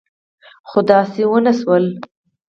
خو داسې ونه شول.